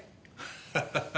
ハハハ。